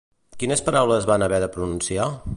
Quines paraules van haver de pronunciar?